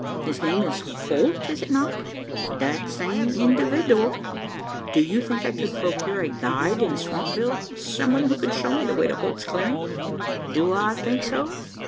"His name is Holt is it not?" "That same individooal." "Do you think I could procure a guide in Swampville some one who could show me the way to Holt's Clearing?" "Do I think so?